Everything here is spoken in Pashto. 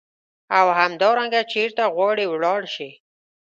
او همدارنګه چیرته غواړې ولاړ شې.